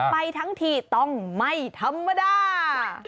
ไปทั้งทีต้องไม่ธรรมดา